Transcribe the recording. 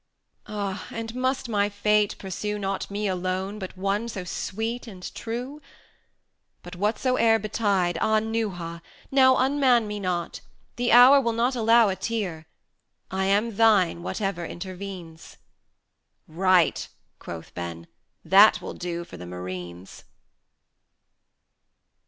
ah! and must my fate pursue Not me alone, but one so sweet and true? But whatsoe'er betide, ah, Neuha! now Unman me not: the hour will not allow A tear; I am thine whatever intervenes!" 530 "Right," quoth Ben; "that will do for the marines."